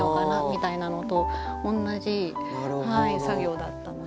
みたいなのと同じ作業だったので。